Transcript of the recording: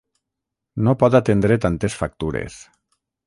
No pot atendre tantes factures.